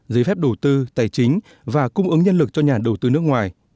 giấy phép đầu tư tài chính và cung ứng nhân lực cho nhà đầu tư nước ngoài